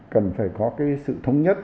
cần phải có cái sự thống nhất